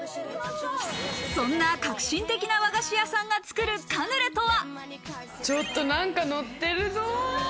そんな革新的な和菓子屋さんが作るカヌレとは？